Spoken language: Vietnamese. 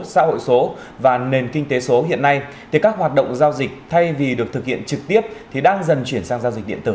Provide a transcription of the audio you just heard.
xã hội số và nền kinh tế số hiện nay thì các hoạt động giao dịch thay vì được thực hiện trực tiếp thì đang dần chuyển sang giao dịch điện tử